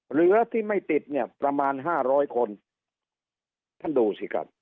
เหลือที่ไม่ติดเนี่ยประมาณห้าร้อยคนท่านดูสิครับ